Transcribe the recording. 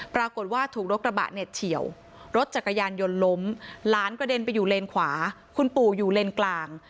ปรากฏว่าถูกรถกระบะเนี่ยเฉียวรถจักรยานยนต์ล้มหลานกระเด็นไปอยู่เลนขวาคุณปู่อยู่เลนกลาง